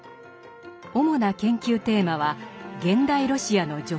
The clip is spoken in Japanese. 主な研究テーマは現代ロシアの女性文学。